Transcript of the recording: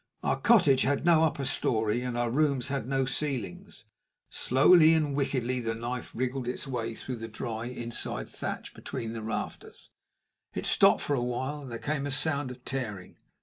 Our cottage had no upper story, and our rooms had no ceilings. Slowly and wickedly the knife wriggled its way through the dry inside thatch between the rafters. It stopped for a while, and there came a sound of tearing.